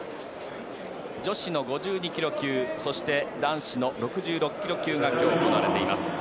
女子の５２ｋｇ級そして男子の６６ｋｇ級が今日、行われています。